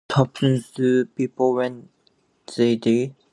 taking to people when they did